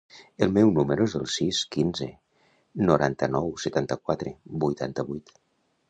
El meu número es el sis, quinze, noranta-nou, setanta-quatre, vuitanta-vuit.